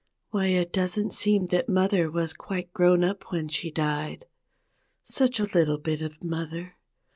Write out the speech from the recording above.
Why, it doesn't seem that mother was quite grown up when she died Such a little bit o' mother!